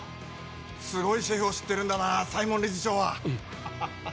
すごいシェフを知ってるんだな理事長は。